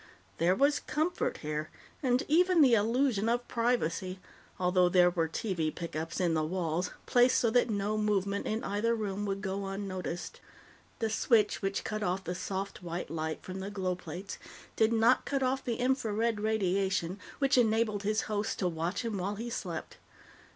There was comfort here, and even the illusion of privacy, although there were TV pickups in the walls, placed so that no movement in either room would go unnoticed. The switch which cut off the soft white light from the glow plates did not cut off the infrared radiation which enabled his hosts to watch him while he slept.